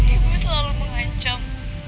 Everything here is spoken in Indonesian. ibu selalu mengancam